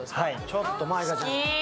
ちょっと舞香ちゃん